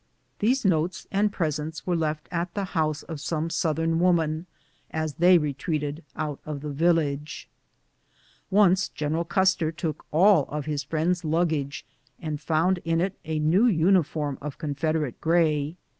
These notes and presents were left at the house of some Southern woman, as they retreated out of the village. Once General Custer took all of his friend's luggage, and found in it a new uniform coat of Confederate gray.